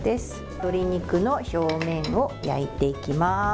鶏肉の表面を焼いていきます。